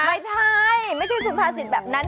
ไม่ใช่ไม่ใช่สุภาษิตแบบนั้น